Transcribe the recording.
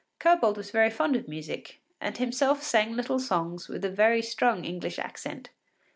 Kobold was very fond of music, and himself sang little songs with a very strong English accent.